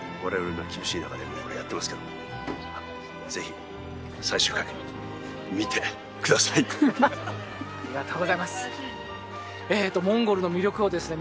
今厳しい中でこれやってますけどもぜひ最終回見てくださいありがとうございますモンゴルの魅力をですね